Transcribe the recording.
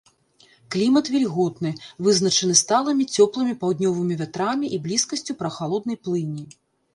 Клімат вільготны, вызначаны сталымі цёплымі паўднёвымі вятрамі і блізкасцю прахалоднай плыні.